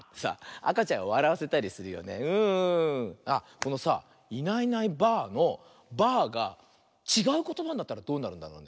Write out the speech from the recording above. このさ「いないいないばあ！」の「ばあ」がちがうことばになったらどうなるんだろうね？